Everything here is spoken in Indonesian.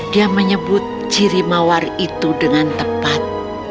dia menyebut ciri mawar itu dengan tepat